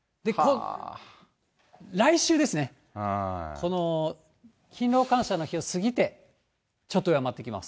来週ですね、この勤労感謝の日を過ぎてちょっと弱まってきます。